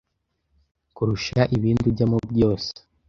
kurusha ibindi ujyamo byose